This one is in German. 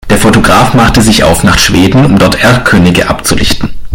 Der Fotograf machte sich auf nach Schweden, um dort Erlkönige abzulichten.